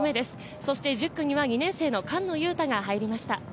そして１０区には２年生の菅野雄太が入りました。